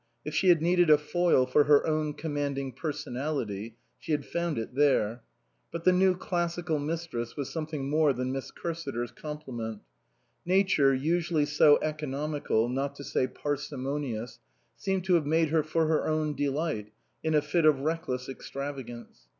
If she had needed a foil for her own commanding per sonality, she had found it there. But the new Classical Mistress was something more than Miss Cursiter's complement. Nature, usually so eco nomical, not to say parsimonious, seemed to have made her for her own delight, in a fit of reckless extravagance.